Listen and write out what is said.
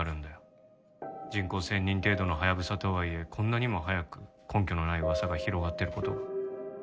人口１０００人程度のハヤブサとはいえこんなにも早く根拠のない噂が広がってる事が。